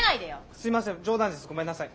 すいません冗談ですごめんなさい。